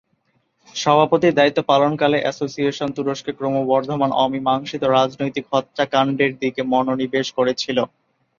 সভাপতির দায়িত্ব পালনকালে, অ্যাসোসিয়েশন তুরস্কে ক্রমবর্ধমান অমীমাংসিত রাজনৈতিক হত্যাকাণ্ডের দিকে মনোনিবেশ করেছিল।